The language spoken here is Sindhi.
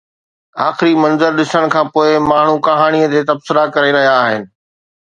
آخري منظر ڏسڻ کان پوءِ ماڻهو ڪهاڻي تي تبصرا ڪري رهيا آهن.